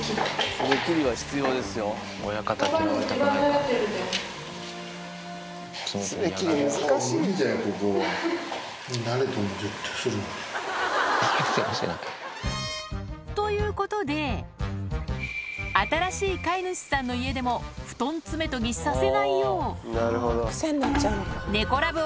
爪切りは必要ですよ、無理だよ。ということで、新しい飼い主さんの家でも布団爪研ぎさせないよう、猫ＬＯＶＥ